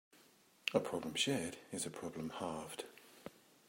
A problem shared is a problem halved.